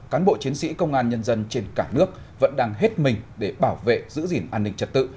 cán bộ chiến sĩ công an nhân dân trên cả nước vẫn đang hết mình để bảo vệ giữ gìn an ninh trật tự